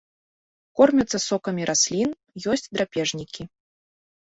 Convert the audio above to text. Кормяцца сокамі раслін, ёсць драпежнікі.